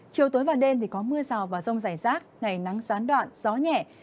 chiều tối và đêm thì có mưa rào và rông rải rác ngày nắng gián đoạn gió nhẹ